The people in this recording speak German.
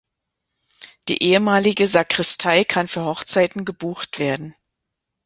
Die ehemalige Sakristei kann für Hochzeiten gebucht werden.